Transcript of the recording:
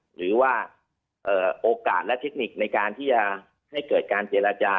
หรือว่าโอกาสและเทคนิคในการที่จะให้เกิดการเจรจา